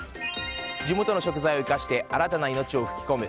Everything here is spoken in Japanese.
地元の食材を生かして新たな命を吹き込む。